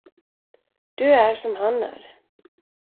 Du är som han är.